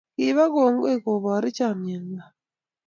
kiba kongooi koboru chomnyeng'wany